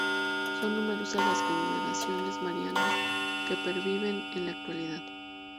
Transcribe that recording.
Son numerosas las Congregaciones marianas que perviven en la actualidad.